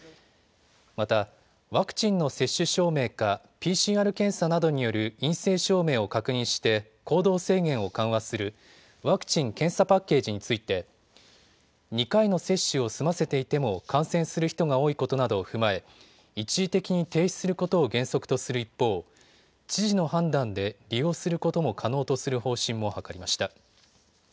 また、ワクチンの接種証明かＰＣＲ検査などによる陰性証明を確認して行動制限を緩和するワクチン・検査パッケージについて２回の接種を済ませていても感染する人が多いことなどを踏まえ一時的に停止することを原則とする一方、知事の判断で利用することも可能とする方針も諮りました。